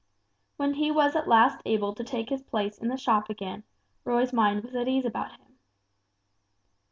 When he was at last able to take his place in the shop again, Roy's mind was at ease about him.